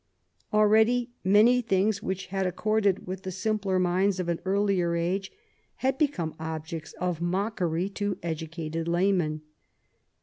Already many things which had accorded with the simpler minds of an earlier age had become objects of mockery to educated laymen.